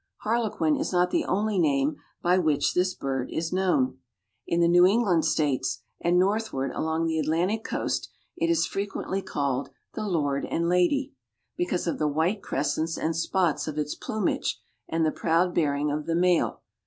Harlequin is not the only name by which this bird is known. In the New England States and northward along the Atlantic coast it is frequently called the "Lord and Lady," because of the white crescents and spots of its plumage and the proud bearing of the male.